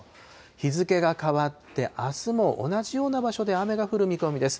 日付が変わって、あすも同じような場所で雨が降る見込みです。